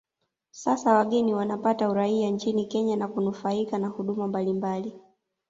Sasa wageni wanapata uraia nchini Kenya na kunufaika na huduma mbalimbali